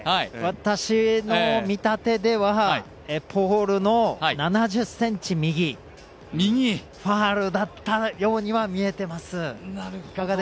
私の見立てでは、ポールの７０ｃｍ右、ファウルだったようには見えてます。